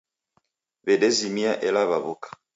Wedezimia ela waw'uka.